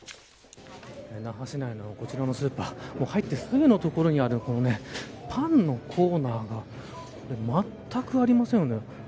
那覇市内のこちらのスーパー入ってすぐのところにあるパンのコーナーがまったくありませんよね。